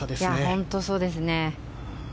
本当そうですね。